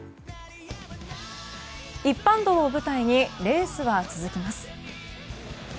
一般道を舞台にレースは続きます。